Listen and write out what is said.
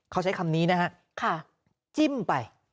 เขาใช้คำนี้นะฮะจิ้มไป